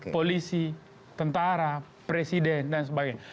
polisi tentara presiden dan sebagainya